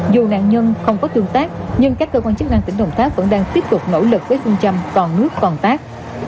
dù nạn nhân không có tương tác nhưng các cơ quan chức năng tỉnh đồng tháp vẫn đang tiếp tục nỗ lực với phương châm còn nước còn tác